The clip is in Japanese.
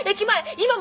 今も！